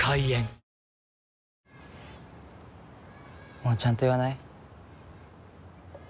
もうちゃんと言わない？